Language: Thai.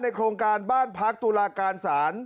โครงการบ้านพักตุลาการศาล